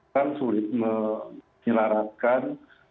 kan sulit menyelaratkan